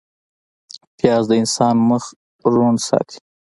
پیاز د انسان مخ روڼ ساتي